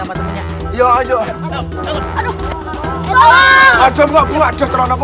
assalamualaikum warahmatullahi wabarakatuh